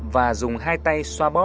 và dùng hai tay xoa bỏng